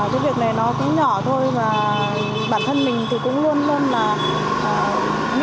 cái việc này nó cũng nhỏ thôi và bản thân mình thì cũng luôn luôn là nghĩ đến là làm một cái gì